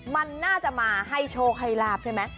มันน่าจะมาให้โชคให้ลาบใช่ไหม